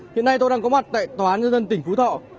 hiện nay tôi đang có mặt tại toán nhân dân tỉnh phú thọ